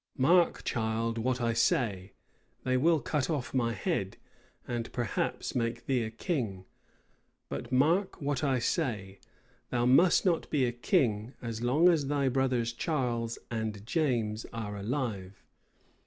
"Mark, child! what I say: they will cut off my head! and perhaps make thee a king: but mark what I say: thou must not be a king as long as thy brothers Charles and James are alive.